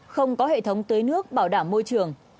không có hệ thống tưới nước bảo đảm môi trường